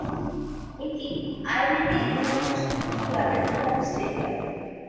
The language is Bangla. এটি আই-লীগের ইউনাইটেড স্পোর্টস ক্লাবের হোম স্টেডিয়াম।